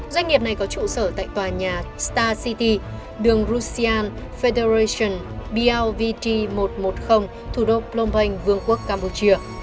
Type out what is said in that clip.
doanh nghiệp này có trụ sở tại tòa nhà star city đường gusian federation biovt một trăm một mươi thủ đô phnom penh vương quốc campuchia